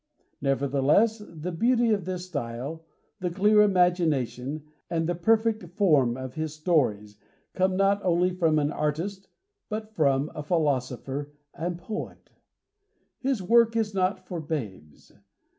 Nevertheless, the beauty of his style, the clear imagination, and the perfect form of his stories come not only from an artist but from a philosopher and poet. His work is not for babes.